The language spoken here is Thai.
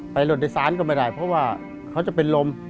ไปหลดที่ศาลก็ไม่ได้เพราะว่าค้าจะเป็นรม